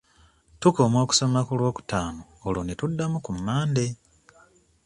Tukoma okusoma ku lwokutaano olwo ne tuddamu ku Mande.